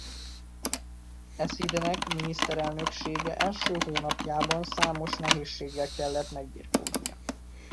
Eszidnek miniszterelnöksége első hónapjaiban számos nehézséggel kellett megbirkóznia.